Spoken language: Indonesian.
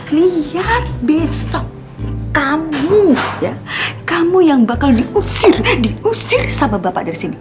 lihat besok kamu kamu yang bakal diusir diusir sama bapak dari sini